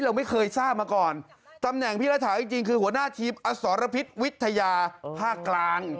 เราไม่เคยทราบมาก่อนตำแหน่งพี่รัฐาจริงคือหัวหน้าทีมอสรพิษวิทยาภาคกลาง